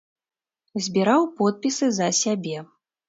Збіраў подпісы за сябе.